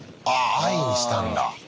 Ｉにしたんだ。